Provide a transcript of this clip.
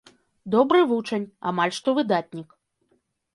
Добры вучань, амаль што выдатнік.